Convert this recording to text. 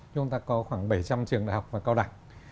chúng ta có khoảng bảy trăm linh trường đại học và cao đẳng